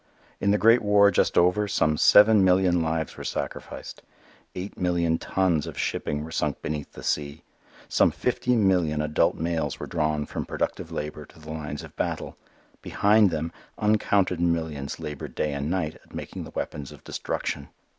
In the great war just over, some seven million lives were sacrificed; eight million tons of shipping were sunk beneath the sea; some fifty million adult males were drawn from productive labor to the lines of battle; behind them uncounted millions labored day and night at making the weapons of destruction.